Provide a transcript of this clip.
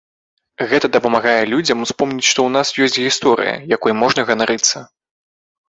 Гэта дапамагае людзям успомніць, што ў нас ёсць гісторыя, якой можна ганарыцца.